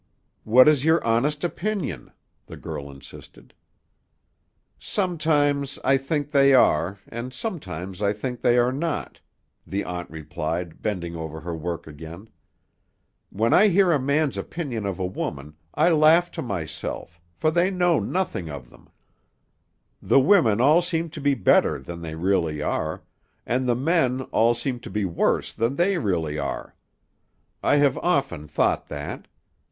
"What is your honest opinion?" the girl insisted. "Sometimes I think they are, and sometimes I think they are not," the aunt replied, bending over her work again. "When I hear a man's opinion of a woman, I laugh to myself, for they know nothing of them. The women all seem to be better than they really are, and the men all seem to be worse than they really are; I have often thought that.